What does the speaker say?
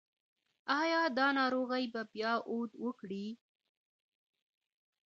ایا دا ناروغي به بیا عود وکړي؟